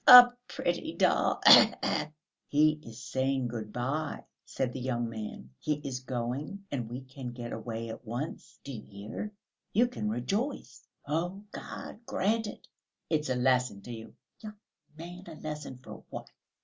"Khee khee ... a pretty doll ... khee khee." "He is saying good bye," said the young man; "he is going, and we can get away at once. Do you hear? You can rejoice!" "Oh, God grant it!" "It's a lesson to you...." "Young man, a lesson for what!...